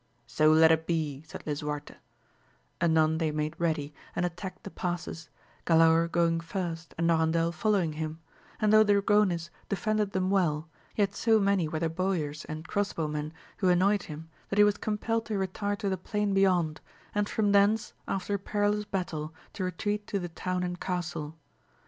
So let it be, said lisuarte ; anon they made ready and attacked the passes, Galaor going first and Norandel following him ; and though Dragonis defended them weU, yet so many were the bowyers and cross bow men who annoyed him, that he was compelled to retire to the plain be yond, and from thence, after a perilous battle, to retreat to the town and castle.